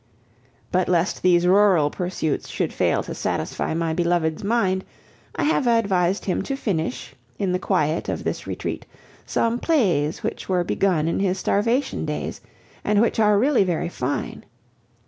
But lest these rural pursuits should fail to satisfy my beloved's mind, I have advised him to finish, in the quiet of this retreat, some plays which were begun in his starvation days, and which are really very fine.